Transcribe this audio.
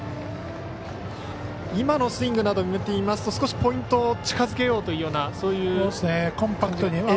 今のスイングなどを見ていますと少しポイントを近づけようというようなそういう感じで。